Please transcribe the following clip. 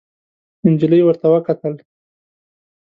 نجلۍ ورته وکتل.